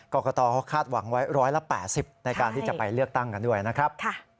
กรกตเขาคาดหวังไว้๑๘๐ในการที่จะไปเลือกตั้งกันด้วยนะครับ